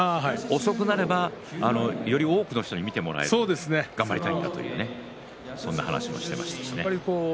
遅くなればより多くの人に見てもらえる頑張りたいんだと、そんな話もしていました。